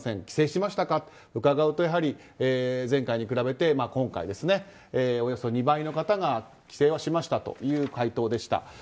帰省しましたかと伺うとやはり前回に比べて今回、およそ２倍の方が帰省はしましたという回答でした。